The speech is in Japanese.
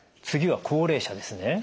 次は高齢者ですね。